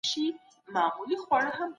الکول عصبي ستونزې رامنځ ته کوي.